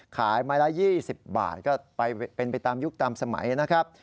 ขายไม้ละ๒๐บาทก็เป็นไปตามยุคตามสมัยนะครับ